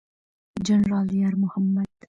جنرال یار محمد